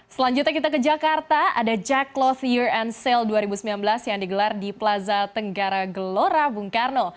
selanjutnya kita ke jakarta ada jack close year and sale dua ribu sembilan belas yang digelar di plaza tenggara gelora bung karno